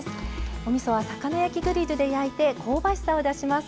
おみそは魚焼きグリルで焼いて香ばしさを出します。